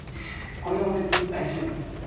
これは別に大丈夫ですかね？